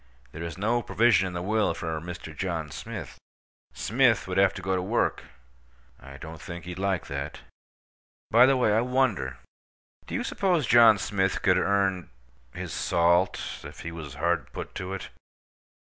There is no provision in the will for Mr. John Smith. Smith would have to go to work. I don't think he'd like that. By the way, I wonder: do you suppose John Smith could earn—his salt, if he was hard put to it?